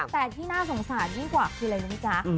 แต่ที่หน้าสงสารยุ่งกว่าคืออะไรรู้จัก